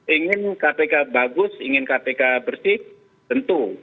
ingin kpk bagus ingin kpk bersih tentu